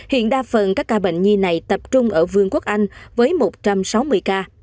hiện đa phần các ca bệnh nhi này tập trung ở vương quốc anh với một trăm sáu mươi ca